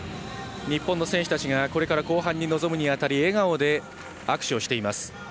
日本の選手たちが後半に臨むにあたり笑顔で握手をしています。